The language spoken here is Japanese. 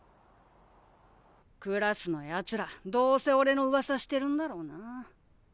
クラスのやつらどうせおれのうわさしてるんだろうな。